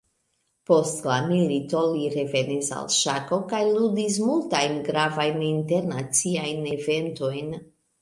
Post la milito, li revenis al ŝako kaj ludis multajn gravajn internaciajn eventojn.